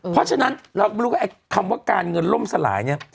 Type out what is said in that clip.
เพราะฉะนั้นเราก็ไม่รู้ว่าไอ้คำว่าการเงินล่มสลายเนี่ย